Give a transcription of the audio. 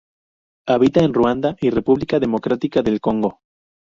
Habita en Ruanda y República Democrática del Congo.